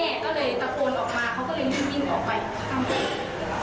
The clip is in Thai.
เขาก็เลยวิ่งออกไปข้ามไป